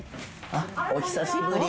あっ、お久しぶり。